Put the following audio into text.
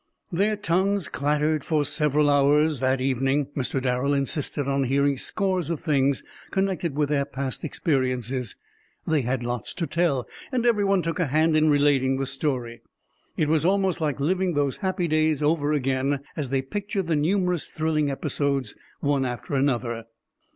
The tongues clattered for several hours that evening. Mr. Darrel insisted on hearing scores of things connected with their past experiences. They had lots to tell, and every one took a hand in relating the story. It was almost like living those happy days over again, as they pictured the numerous thrilling episodes one after another.